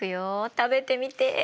食べてみて。